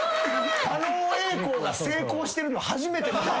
狩野英孝が成功してるの初めて見たわ。